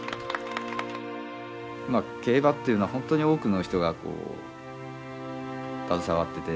競馬っていうのは本当に多くの人が携わってて。